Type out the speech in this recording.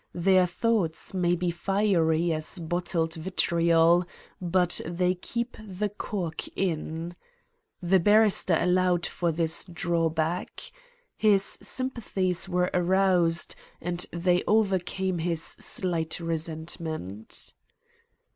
Their thoughts may be fiery as bottled vitriol, but they keep the cork in. The barrister allowed for this drawback. His sympathies were aroused, and they overcame his slight resentment.